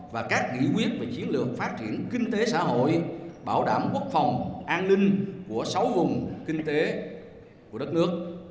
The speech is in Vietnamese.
và các nghị quyết về chiến lược phát triển kinh tế xã hội bảo đảm quốc phòng an ninh của sáu vùng kinh tế của đất nước